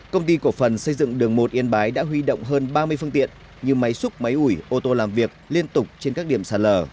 công ty cổ phần xây dựng đường một yên bái đã huy động hơn ba mươi phương tiện như máy xúc máy ủi ô tô làm việc liên tục trên các điểm sạt lở